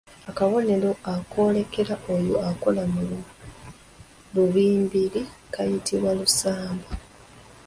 Akabonero akooleka oyo akola mu lubiri kayitibwa lusamba.